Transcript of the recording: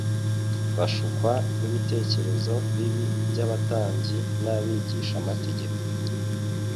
bashukwa n'ibitekerezo bibi by'abatambyi n'abigishamategeko.